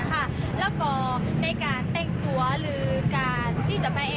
กับการแต่งตัวหรือการ้นแผนเลย